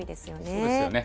そうですよね。